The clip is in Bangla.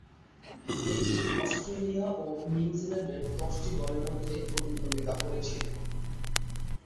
এটি অস্ট্রেলিয়া এবং নিউজিল্যান্ডের দশটি দলের মধ্যে প্রতিদ্বন্দ্বিতা করেছিল।